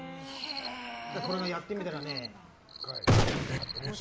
これがやってみたら面白かった。